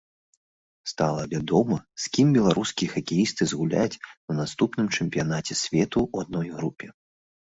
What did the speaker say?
Стала вядома, з кім беларускія хакеісты згуляюць на наступным чэмпіянаце свету ў адной групе.